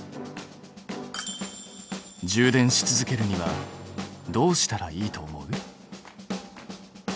充電し続けるにはどうしたらいいと思う？